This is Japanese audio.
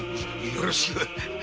よろしく。